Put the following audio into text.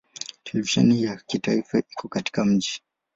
Televisheni ya kitaifa iko katika mji.